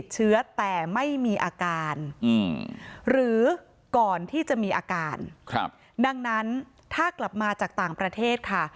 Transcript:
เพราะฉะนั้นถ้ากลับมาจากต่างประเทศค่ะ